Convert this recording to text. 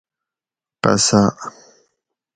قصاۤ